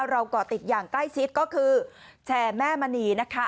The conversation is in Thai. ก่อติดอย่างใกล้ชิดก็คือแชร์แม่มณีนะคะ